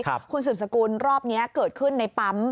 คุณสืบสกุลรอบนี้เกิดขึ้นในปั๊ม